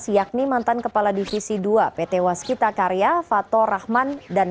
yakni mantan kepala divisi dua pt waskita karya fato rahman dan